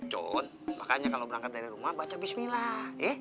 ucon makanya kalau berangkat dari rumah baca bismillah ya